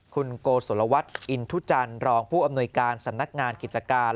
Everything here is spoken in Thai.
คุณโกศลวัฒน์อินทุจันทร์รองผู้อำนวยการสำนักงานกิจการ